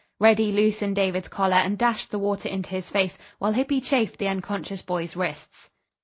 Reddy loosened David's collar and dashed the water into his face; while Hippy chafed the unconscious boy's wrists.